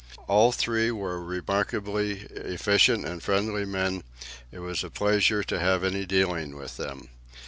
All three were remarkably efficient and friendly men; it was a pleasure to have any dealings with them.